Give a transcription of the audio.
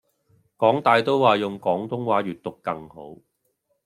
港大都話用廣東話閱讀更好